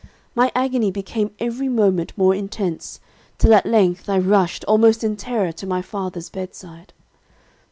"My agony became every moment more intense, till at length, I rushed, almost in terror, to my father's bedside.